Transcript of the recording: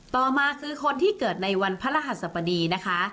ต่อมาคือคนที่เกิดในวันพระรหัสบดีนะคะ